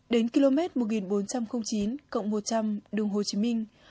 đến km một nghìn bốn trăm linh chín cộng một trăm linh đường hồ chí minh